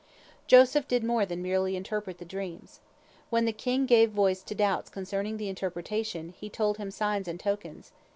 Joseph did more than merely interpret the dreams. When the king gave voice to doubts concerning the interpretation, he told him signs and tokens.